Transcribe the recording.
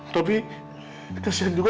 tapi kesian juga